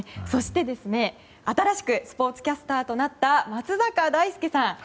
そして、新しくスポーツキャスターとなった松坂大輔さん。